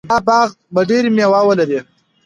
دا باغ به ډېر مېوه ولري.